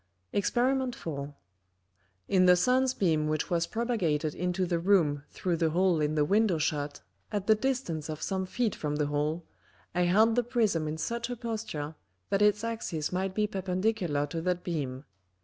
Exper. 4. In the Sun's Beam which was propagated into the Room through the hole in the Window shut, at the distance of some Feet from the hole, I held the Prism in such a Posture, that its Axis might be perpendicular to that Beam.